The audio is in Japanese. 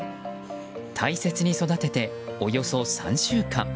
大切に育てて、およそ３週間。